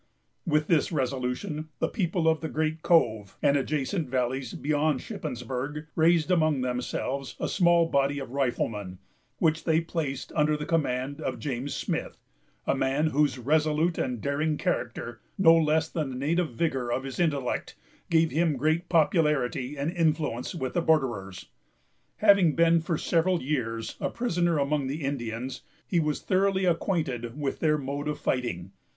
With this resolution, the people of the Great Cove, and the adjacent valleys beyond Shippensburg, raised among themselves a small body of riflemen, which they placed under the command of James Smith; a man whose resolute and daring character, no less than the native vigor of his intellect, gave him great popularity and influence with the borderers. Having been, for several years, a prisoner among the Indians, he was thoroughly acquainted with their mode of fighting.